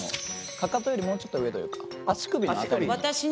かかとよりもうちょっと上というか足首の辺りに。